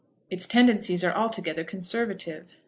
Its tendencies are altogether conservative.